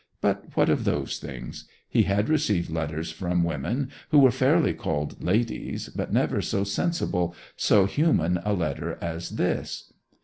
But what of those things? He had received letters from women who were fairly called ladies, but never so sensible, so human a letter as this.